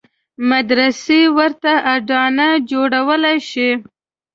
مدرسې ورته اډانه جوړولای شي.